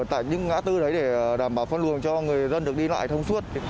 tại những ngã tư đấy để đảm bảo phân luồng cho người dân được đi lại thông suốt